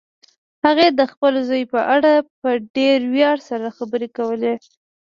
هغې د خپل زوی په اړه په ډېر ویاړ سره خبرې کولې